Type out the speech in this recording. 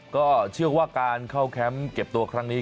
ก็เชื่อว่าการเข้าแคมป์เก็บตัวครั้งนี้